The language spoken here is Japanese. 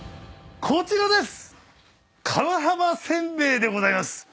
こちらです！